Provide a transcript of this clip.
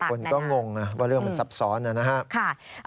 คนก็งงว่าเรื่องมันซับซ้อนนะครับ